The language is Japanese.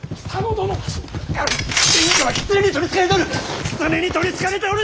殿下は狐に取りつかれておる！